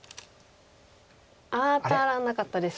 当たらなかったです。